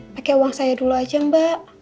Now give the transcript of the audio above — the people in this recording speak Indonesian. pakai uang saya dulu aja mbak